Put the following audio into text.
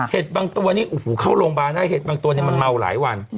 เห็ดบางตัวนี้เข้าโรงพยาบาลนะเห็ดบางตัวนี้มันเมาหลายวัน